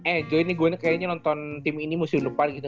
eh joy ini gue ini kayaknya nonton tim ini musim depan gitu